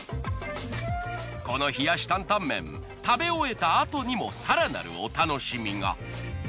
この冷やし担々麺食べ終えたあとにも更なるお楽しみが。